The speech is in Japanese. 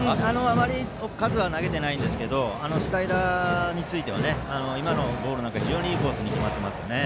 あまり数は投げてないですがあのスライダーについては今のボールは非常にいいコースに決まっていますね。